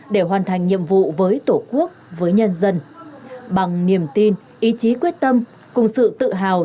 để hoàn thành nhiệm vụ với tổ quốc với nhân dân bằng niềm tin ý chí quyết tâm cùng sự tự hào